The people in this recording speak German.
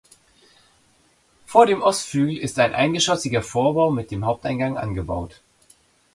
Vor dem Ostflügel ist ein eingeschossiger Vorbau mit dem Haupteingang angebaut.